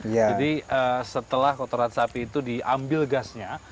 jadi setelah kotoran sapi itu diambil gasnya